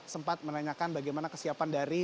sempat menanyakan bagaimana kesiapan